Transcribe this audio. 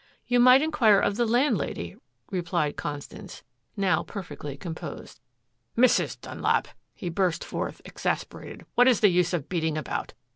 "You might inquire of the landlady," replied Constance, now perfectly composed. "Mrs. Dunlap," he burst forth, exasperated, "what is the use of beating about?